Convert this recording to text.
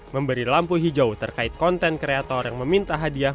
memberi lampu hijau terkait konten kreator yang meminta hadiah